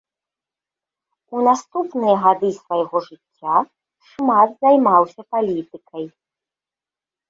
У наступныя гады свайго жыцця шмат займаўся палітыкай.